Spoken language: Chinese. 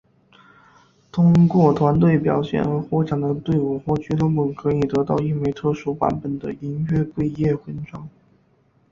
通过团队表现而获奖的队伍或俱乐部可以得到一枚特殊版本的银月桂叶徽章。